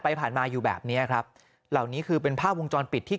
ผ่านมาอยู่แบบเนี้ยครับเหล่านี้คือเป็นภาพวงจรปิดที่